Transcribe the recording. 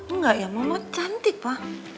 enggak ya mama cantik pa